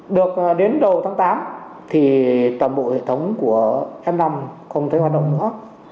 được đến đầu tháng tám thì toàn bộ hệ thống của m năm không thể hoạt động nữa